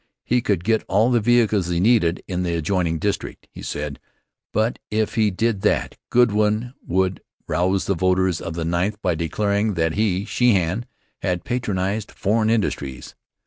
He could get all the vehicles he needed in the adjoining district, he said, but if he did that, Goodwin would rouse the voters of the Ninth by declaring that he (Sheehan) had patronized foreign industries.